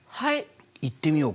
いってみようか。